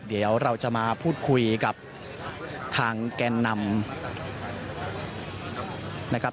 เดี๋ยวเราจะมาพูดคุยกับทางแกนนำนะครับ